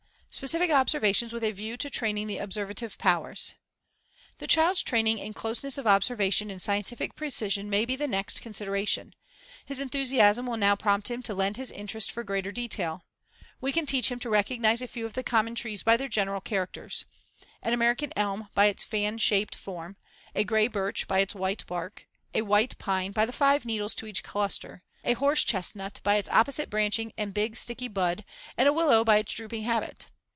Specific observations with a view to training the observative powers: The child's training in closeness of observation and scientific precision may be the next consideration. His enthusiasm will now prompt him to lend his interest for greater detail. We can teach him to recognize a few of the common trees by their general characters an American elm by its fan shaped form, a gray birch by its white bark, a white pine by the five needles to each cluster, a horsechestnut by its opposite branching and big sticky bud and a willow by its drooping habit.